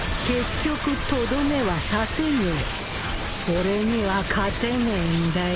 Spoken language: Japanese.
俺には勝てねえんだよ。